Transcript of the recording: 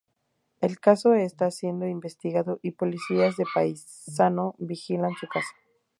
El caso está siendo investigado y policías de paisano vigilan su casa.